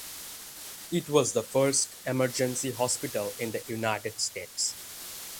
It was the first emergency hospital in the United States.